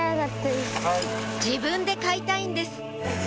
自分で買いたいんです